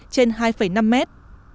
trên hai năm mét